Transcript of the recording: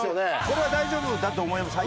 これは大丈夫だと思います。